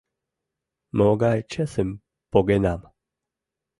Могай чесым погенам!